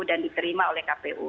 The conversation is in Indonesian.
dan diterima oleh kpu